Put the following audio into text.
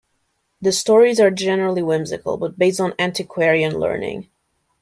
The stories are generally whimsical, but based on antiquarian learning.